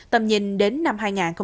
tầm nhìn đến năm hai nghìn sáu mươi